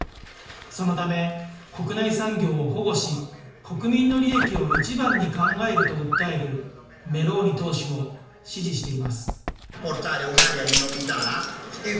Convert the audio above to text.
そのため、国内産業を保護し、国民の利益を一番に考えると訴えるメローニ党首を支持しています。